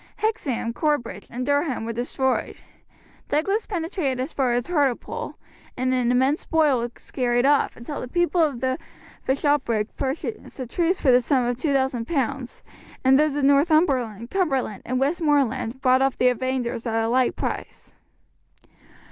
Hexham, Corbridge, and Durham were destroyed. Douglas penetrated as far as Hartlepool and an immense spoil was carried off, until the people of the bishopric purchased a truce for the sum of 2000 pounds, and those of Northumberland, Cumberland, and Westmoreland bought off the invaders at a like price.